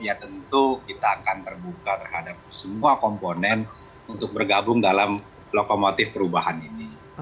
ya tentu kita akan terbuka terhadap semua komponen untuk bergabung dalam lokomotif perubahan ini